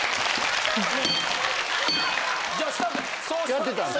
やってたんです。